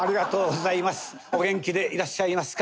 お元気でいらっしゃいますか？